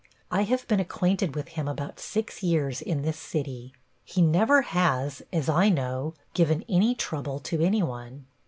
I have been acquainted with him about six years in this city. He never has, as I know, given any trouble to anyone.